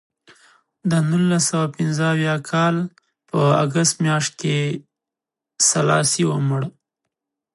د نولس سوه پنځه اویا کال په اګست میاشت کې سلاسي ومړ.